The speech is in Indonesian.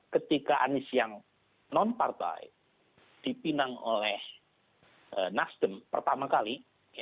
ketika anies yang non partai dipinang oleh nasdem pertama kali